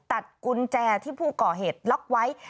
ตัดกุญแจที่ผู้ก่อเหตุล็อกไว้